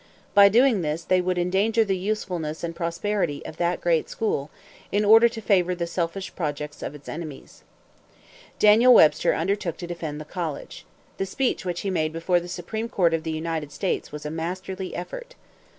By doing this they would endanger the usefulness and prosperity of that great school, in order to favor the selfish projects of its enemies. Daniel Webster undertook to defend the college. The speech which he made before the Supreme Court of the United States was a masterly effort.